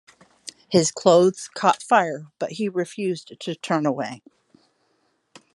His clothes caught fire but he refused to turn away.